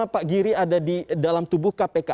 pak giri ada di dalam tubuh kpk